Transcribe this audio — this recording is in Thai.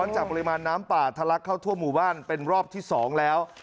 จากปริมาณน้ำป่าทะลักเข้าทั่วหมู่บ้านเป็นรอบที่๒แล้ว